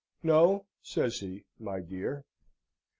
"No," says he, "my dear.